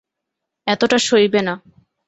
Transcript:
এতটা সইবে না।